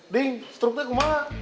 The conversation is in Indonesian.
ding struknya kemana